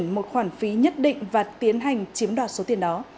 một khoản phí nhất định và tiến hành chiếm đoạt số tiền đó